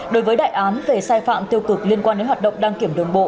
đối với đại án về sai phạm tiêu cực liên quan đến hoạt động đăng kiểm đường bộ